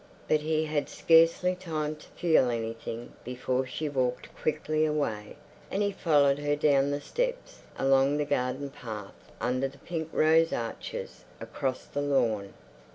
But he had scarcely time to feel anything before she walked quickly away, and he followed her down the steps, along the garden path, under the pink rose arches, across the lawn.